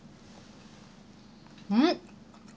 うん！